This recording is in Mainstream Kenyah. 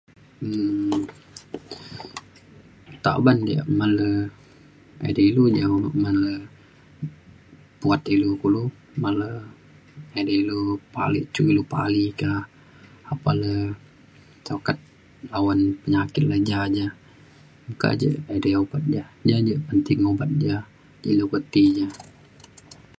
Memang biun kuak dulue pengelata mudip cen na'ak biun pakai telepon, biun pakai teknologi. Gaya nakini pakai teknologi jenis ci na'an pa layan kelunan. Makin tai biun kimet kelo pisu, keja'ie ka'ang selepek